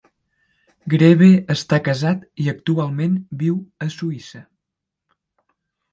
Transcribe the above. Greve està casat i actualment viu a Suïssa.